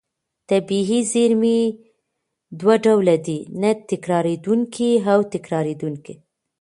طبیعي زېرمې دوه ډوله دي: نه تکرارېدونکې او تکرارېدونکې.